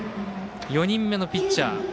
４人目のピッチャー